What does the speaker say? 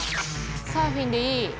サーフィンでいい。